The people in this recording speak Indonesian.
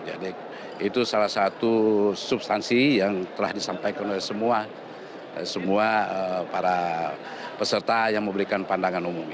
jadi itu salah satu substansi yang telah disampaikan oleh semua para peserta yang memberikan pandangan umum